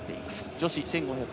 女子１５００